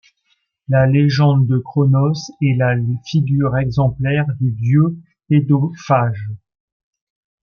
La légende de Cronos est la figure exemplaire du dieu pédophage.